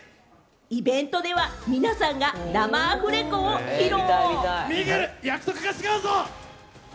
イベントでは皆さんが生アフレコ披露。